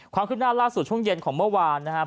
ขึ้นหน้าล่าสุดช่วงเย็นของเมื่อวานนะครับ